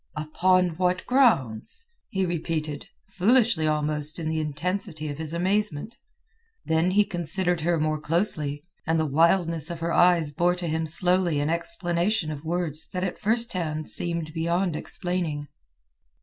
"Upon what grounds?" he repeated, foolishly almost in the intensity of his amazement. Then he considered her more closely, and the wildness of her eyes bore to him slowly an explanation of words that at first had seemed beyond explaining.